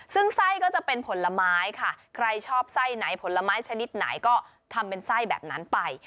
ซึ่งไส้ก็จะเป็นผลไม้ค่ะใครชอบไส้ไหนผลไม้ชนิดไหนก็ทำเป็นไส้แบบนั้นไป